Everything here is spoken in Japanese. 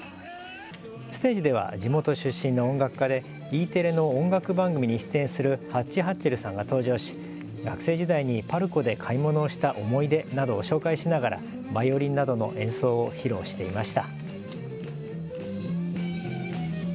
ステージでは地元出身の音楽家でＥテレの音楽番組に出演するハッチハッチェルさんが登場し学生時代にパルコで買い物をした思い出などを紹介しながらバイオリンなどの演奏を披露していました。